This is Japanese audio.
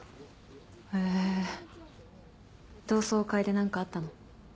へぇ同窓会で何かあったの？